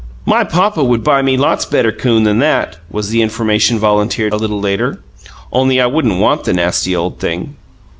"My papa would buy me a lots better 'coon than that," was the information volunteered a little later, "only I wouldn't want the nasty old thing."